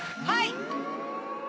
はい！